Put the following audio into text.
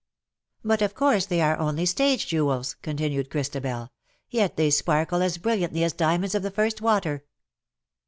" But_, of course,, they are only stage jewels/^ continued Christabel ; '^yet they sparkle as brilliantly as diamonds of the first water."